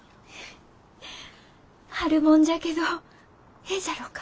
春もんじゃけどええじゃろうか？